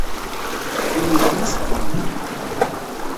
A win yufan ad as-teɣremt.